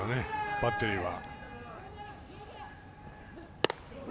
バッテリーは。